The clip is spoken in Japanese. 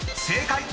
［正解！］